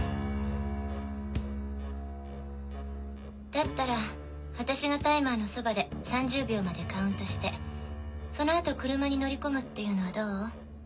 だったら私がタイマーのそばで３０秒までカウントしてその後車に乗り込むっていうのはどう？